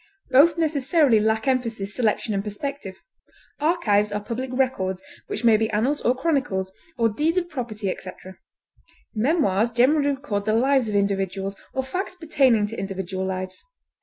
Both necessarily lack emphasis, selection, and perspective. Archives are public records, which may be annals, or chronicles, or deeds of property, etc. Memoirs generally record the lives of individuals or facts pertaining to individual lives.